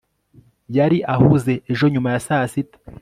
yari ahuze ejo nyuma ya saa sita